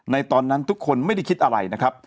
ตอนนั้นทุกคนไม่ได้คิดอะไรนะครับ